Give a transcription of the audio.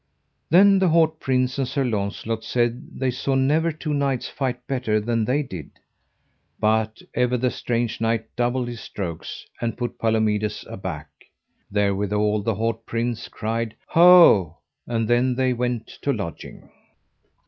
Then the haut prince and Sir Launcelot said they saw never two knights fight better than they did; but ever the strange knight doubled his strokes, and put Palomides aback; therewithal the haut prince cried: Ho: and then they went to lodging.